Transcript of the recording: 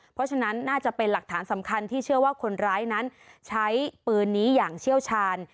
เพราะฉะนั้นน่าจะเป็นหลักฐานสำคัญที่เชื่อว่าคนร้ายนั้นใช้ปืนนี้อย่างเชี่ยวชาญ